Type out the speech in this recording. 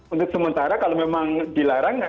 untuk sementara kalau memang dilarang